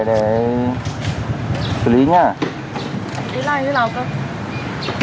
để làm như thế nào cơ